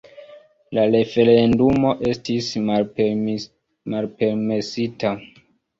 La referendumo estis malpermesita.